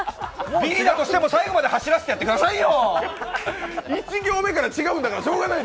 ビリだとしても最後まで走らせてやってくださいよ！